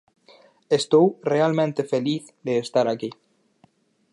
Estou realmente feliz de estar aquí.